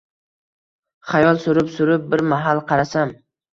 Xayol surib-surib bir mahal qarasam